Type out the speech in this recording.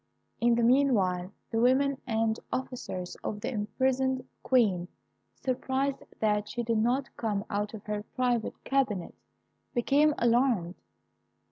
In the meanwhile, the women and officers of the imprisoned Queen, surprised that she did not come out of her private cabinet, became alarmed.